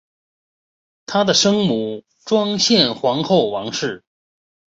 她的生母庄宪皇后王氏。